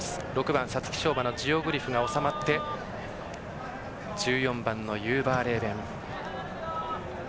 ６番、皐月賞馬のジオグリフが収まって１４番、ユーバーレーベン。